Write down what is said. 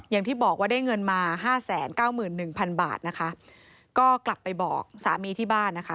อย่างที่บอกว่าได้เงินมา๕๙๑๐๐๐บาทนะคะก็กลับไปบอกสามีที่บ้านนะคะ